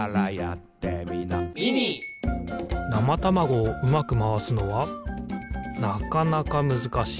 なまたまごをうまくまわすのはなかなかむずかしい。